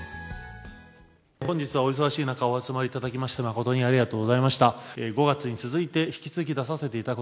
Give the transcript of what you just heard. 本日はお忙しい中、お集まりいただきまして、誠にありがとうございました。